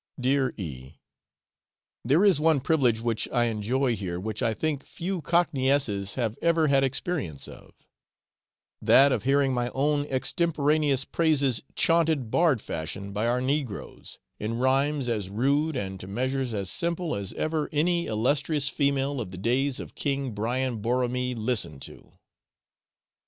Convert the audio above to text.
Dear E . There is one privilege which I enjoy here which I think few cockneyesses have ever had experience of, that of hearing my own extemporaneous praises chaunted bard fashion by our negroes, in rhymes as rude and to measures as simple as ever any illustrious female of the days of King Brian Boroihme listened to.